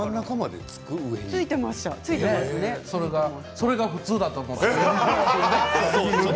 それが普通だと思っていました。